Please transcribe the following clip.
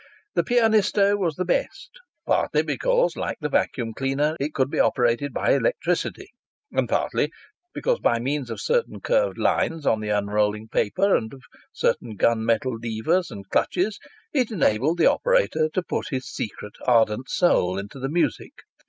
The Pianisto was the best, partly because, like the vacuum cleaner, it could be operated by electricity, and partly because, by means of certain curved lines on the unrolling paper, and of certain gun metal levers and clutches, it enabled the operator to put his secret ardent soul into the music.